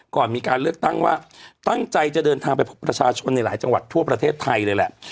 ก่อนมีการเลือกตั้งว่าตั้งใจจะเดินทางไปพบประชาชนในหลายจังหวัดทั่วประเทศไทยเลยแหละ